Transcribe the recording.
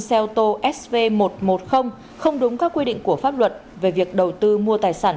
celto sv một trăm một mươi không đúng các quy định của pháp luật về việc đầu tư mua tài sản